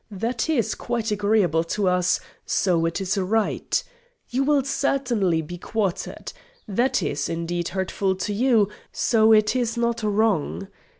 That is quite agreeable to us; so it is right. You will certainly be quartered. That is, indeed, hurtful to you; so it is not wrong.